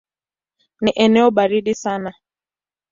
Ni eneo baridi sana.